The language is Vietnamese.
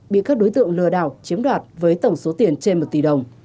bị các đối tượng lừa đảo chiếm đoạt với tổng số tiền trên một tỷ đồng